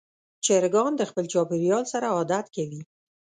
چرګان د خپل چاپېریال سره عادت کوي.